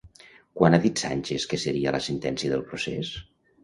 Quan ha dit Sánchez que seria la sentència del procés?